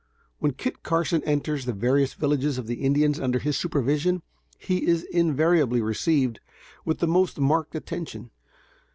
When Kit Carson enters the various villages of the Indians under his supervision, he is invariably received with the most marked attention.